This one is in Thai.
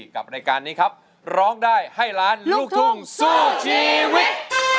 กับรายการนี้ครับร้องได้ให้ล้านลูกทุ่งสู้ชีวิต